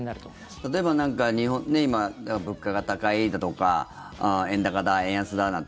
例えば何か今、物価が高いだとか円高だ、円安だなんて。